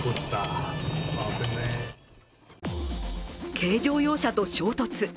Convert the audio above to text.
軽乗用車と衝突。